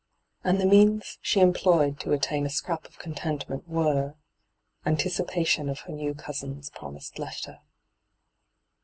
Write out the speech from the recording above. And the means she employed to attain a scrap of contentment were — anticipation of her new cousin's promised letter.